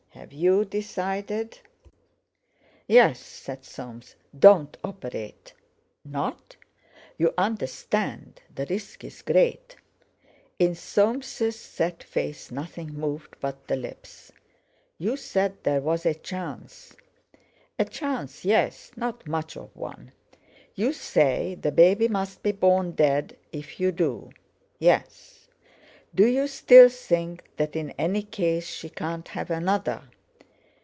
Have you decided?" "Yes," said Soames; "don't operate!" "Not? You understand—the risk's great?" In Soames' set face nothing moved but the lips. "You said there was a chance?" "A chance, yes; not much of one." "You say the baby must be born dead if you do?" "Yes." "Do you still think that in any case she can't have another?"